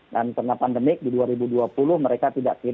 dan karena pandemik di dua ribu dua puluh mereka tidak